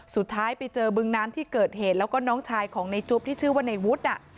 สุดท้ายไปเจอบึงน้ำที่เกิดเหตุแล้วก็น้องชายของในจุ๊บที่ชื่อว่าในวุฒิ